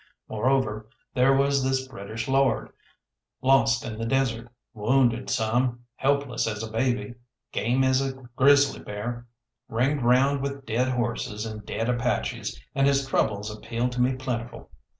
Moreover, there was this British lord, lost in the desert, wounded some, helpless as a baby, game as a grizzly bear, ringed round with dead horses and dead Apaches, and his troubles appealed to me plentiful.